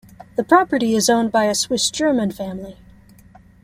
The property is owned by a Swiss-German family.